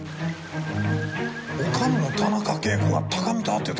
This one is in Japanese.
女将の田中啓子が高見と会っていた！？